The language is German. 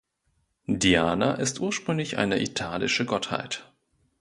Diana ist ursprünglich eine italische Gottheit.